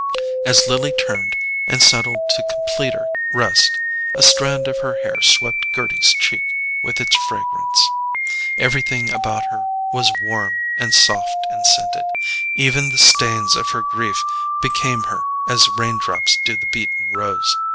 As Lily turned, and settled to completer rest, a strand of her hair swept Gerty's cheek with its fragrance. Everything about her was warm and soft and scented: even the stains of her grief became her as rain drops do the beaten rose.